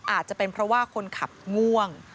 อาจจะเป็นเพราะว่าคนขับง่วง